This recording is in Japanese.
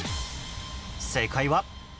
正解は